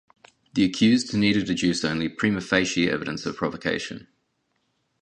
The accused needed adduce only "prima facie" evidence of provocation.